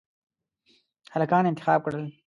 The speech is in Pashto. هلکان انتخاب کړل.